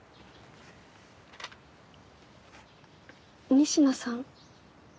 仁科さん？